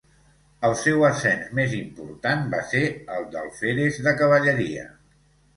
El seu ascens més important va ser el d'Alferes de Cavalleria.